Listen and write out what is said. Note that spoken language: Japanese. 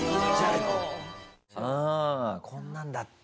ああこんなんだった。